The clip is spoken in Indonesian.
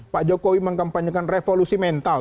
pak jokowi mengkampanyekan revolusi mental